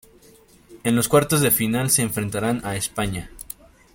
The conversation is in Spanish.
En los cuartos de final se enfrentarán a España.